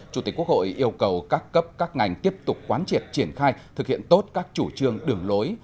chủ tịch quốc hội yêu cầu các cấp các ngành tiếp tục quán triệt triển khai thực hiện tốt các chủ trương đường lối